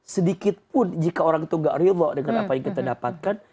sedikit pun jika orang itu tidak rilau dengan apa yang kita dapatkan